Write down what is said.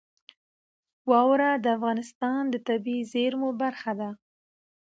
واوره د افغانستان د طبیعي زیرمو برخه ده.